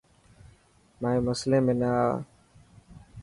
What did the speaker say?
مائي مسلي ۾ نا آءِ.